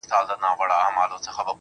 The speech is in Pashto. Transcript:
چي خوړلای یې هم نه سئ